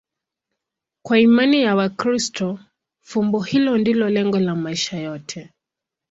Kwa imani ya Wakristo, fumbo hilo ndilo lengo la maisha yote.